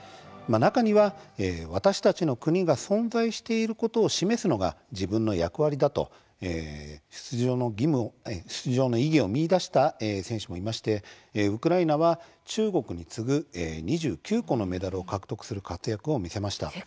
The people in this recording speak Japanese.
中には、「私たちの国が存在していることを示すのが自分の役割」だと出場の意義を見いだした選手もいましてウクライナは中国に次ぐ２９個のメダルを獲得する活躍を見せました。